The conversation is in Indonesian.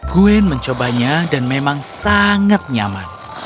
gwen mencobanya dan memang sangat nyaman